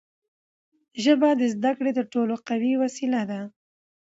ژبه د زدهکړې تر ټولو قوي وسیله ده.